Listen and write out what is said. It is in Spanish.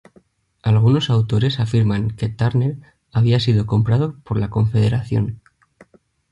Algunos autores afirman que Turner había sido comprado por la Confederación.